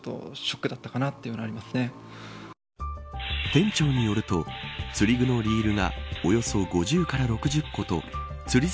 店長によると釣り具のリールがおよそ５０から６０個と釣り竿